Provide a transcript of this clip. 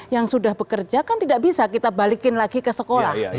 yang sudah bekerja kan tidak bisa kita balikin lagi ke sekolah